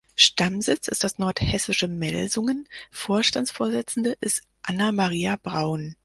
Stammsitz ist das nordhessische Melsungen, Vorstandsvorsitzende ist Anna Maria Braun.